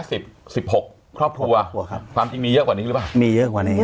สิบสิบหกครอบครัวครับความจริงมีเยอะกว่านี้หรือเปล่ามีเยอะกว่านี้